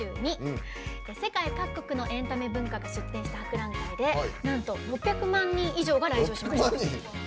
世界各国のエンタメ文化が出展した博覧会で、なんと６００万人以上が来場しました。